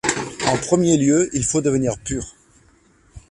En premier lieu, il faut devenir pur.